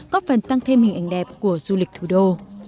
có phần tăng thêm hình ảnh đẹp của du lịch thủ đô